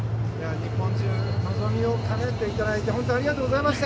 日本中の望みをかなえていただいて本当にありがとうございました。